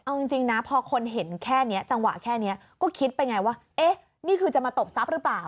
เอาจริงนะพอคนเห็นแค่นี้จังหวะแค่นี้ก็คิดไปไงว่าเอ๊ะนี่คือจะมาตบทรัพย์หรือเปล่า